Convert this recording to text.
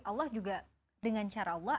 allah juga dengan cara allah